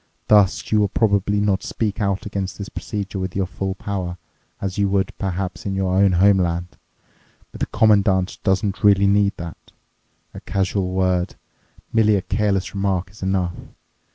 Thus, you will probably not speak out against the procedure with your full power, as you would perhaps in your own homeland. But the Commandant doesn't really need that. A casual word, merely a careless remark, is enough.